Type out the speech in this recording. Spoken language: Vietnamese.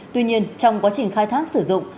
tuy nhiên trong quá trình khai thác sử dụng